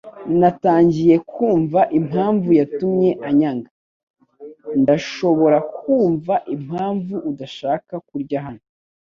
Natangiye kumva impamvu yatumye anyanga. Ndashobora kumva impamvu udashaka kurya hano.